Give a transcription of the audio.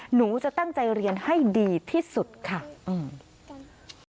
หนูจะตั้งใจเรียนให้ดีที่สุดค่ะอืม